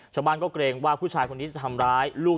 ฉบันก็เกรงว่าผู้ชายขนิดทำร้ายลูก